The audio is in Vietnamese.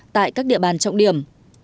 tại các địa bàn trọng điểm